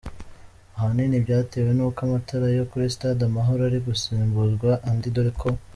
ahanini byatewe nuko amatara yo kuri Stade Amahoro ari gusimbuzwa andi dore ko.